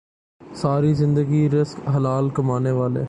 ساری زندگی رزق حلال کمانے والے